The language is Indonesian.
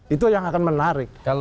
itu yang akan menarik